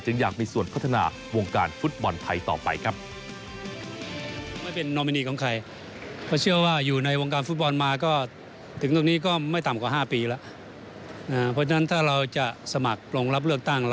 อยากมีส่วนพัฒนาวงการฟุตบอลไทยต่อไปครับ